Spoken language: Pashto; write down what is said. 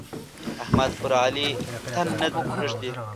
احمد پر علي تن نه ږدي.